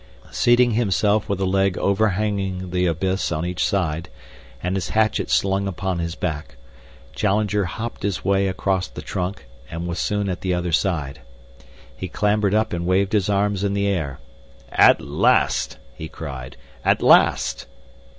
Seating himself with a leg overhanging the abyss on each side, and his hatchet slung upon his back, Challenger hopped his way across the trunk and was soon at the other side. He clambered up and waved his arms in the air. "At last!" he cried; "at last!"